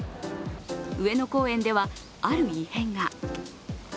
上野公園では、ある異変が。